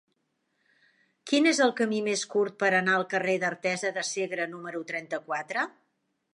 Quin és el camí més curt per anar al carrer d'Artesa de Segre número trenta-quatre?